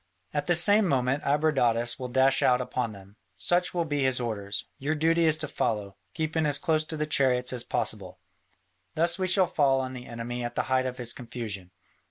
At the same moment Abradatas will dash out upon them: such will be his orders; your duty is to follow, keeping as close to the chariots as possible. Thus we shall fall on the enemy at the height of his confusion.